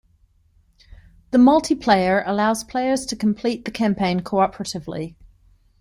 The multiplayer allows players to complete the campaign cooperatively.